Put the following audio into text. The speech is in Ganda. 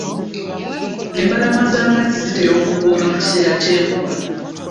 Embalama z'amazzi zitera okubooga mu kiseera ky'enkuba.